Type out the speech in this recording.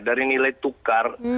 dari nilai tukar